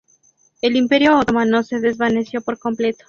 El Imperio Otomano se desvaneció por completo.